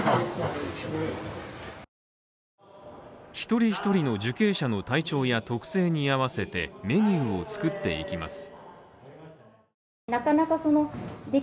１人１人の受刑者の体調や特性に合わせてメニューを作っていきます。